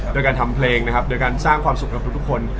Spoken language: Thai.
โดยการทำเพลงนะครับโดยการสร้างความสุขกับทุกคน